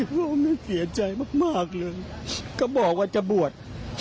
พ่อแม่เสียใจมากเลยก็บอกว่าจะบวช